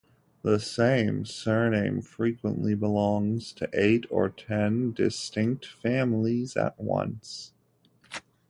The same surname frequently belongs to eight or ten distinct families at once.